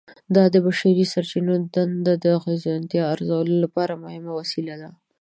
دا د بشري سرچینو دندو د اغیزمنتیا ارزولو لپاره مهمه وسیله ده.